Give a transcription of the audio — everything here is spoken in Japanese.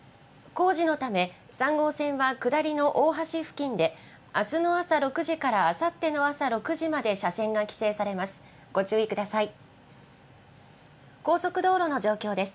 工事のため、３号線は下りの大橋付近で、あすの朝６時からあさっての朝６時まで車線が規制されます。